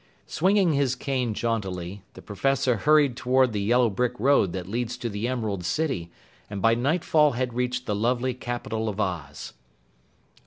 Swinging his cane jauntily, the Professor hurried toward the yellow brick road that leads to the Emerald City, and by nightfall had reached the lovely capital of Oz.